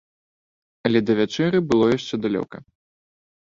Але да вячэры было яшчэ далёка.